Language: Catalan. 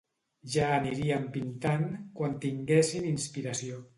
Ja anirien pintant, quan tinguessin inspiració.